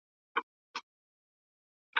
د ښکاریانو په وطن کي سمه شپه له کومه راړو